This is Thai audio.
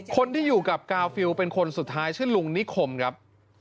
คนที่อยู่กับกาฟิลเป็นคนสุดท้ายชื่อลุงนิคมครับ